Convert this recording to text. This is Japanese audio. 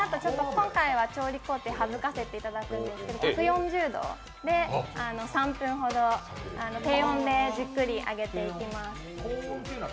今回は調理工程を省かせていただくんですが、そのあと１４０度で３分ほど低温でじっくり揚げていきます。